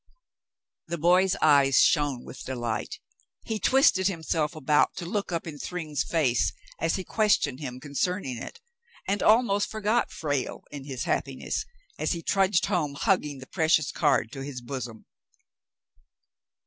The boy's eyes shone with delight. He twisted himself about to look up in Thryng's face as he questioned him concern ing it, and almost forgot Frale in his happiness, as he trudged home hugging the precious card to his bosom.